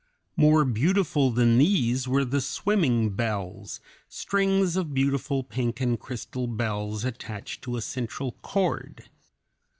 More beautiful than these were the "swimming bells" strings of beautiful pink and crystal bells attached to a central cord (Fig.